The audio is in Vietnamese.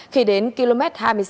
khi đến km hai mươi sáu một trăm linh